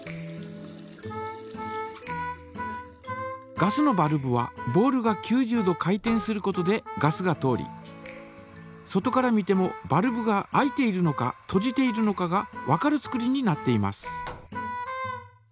ガスのバルブはボールが９０度回転することでガスが通り外から見てもバルブが開いているのかとじているのかがわかる作りになっています。